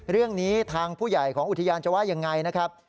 เรื่องนี้ทางผู้ใหญ่ของอุทยานจะว่ายังไงนะครับ